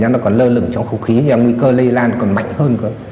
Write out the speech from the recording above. nó còn lơ lực trong không khí nguy cơ lây lan còn mạnh hơn